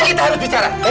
kita harus bicara